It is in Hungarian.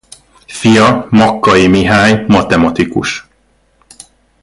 Fia Makkai Mihály matematikus.